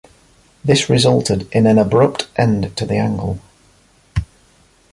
This resulted in an abrupt end to the angle.